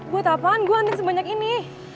buat apaan gue anting sebanyak ini